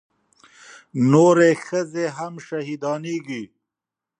نورې ښځې هم شهيدانېږي.